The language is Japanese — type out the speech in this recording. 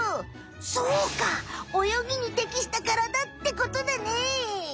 そうか泳ぎに適したカラダってことだね！